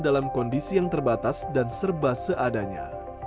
dalam kondisi yang terbatas dan serba seadanya